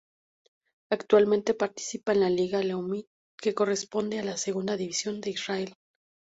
Actualmente participa en la Liga Leumit que corresponde a la Segunda División de Israel.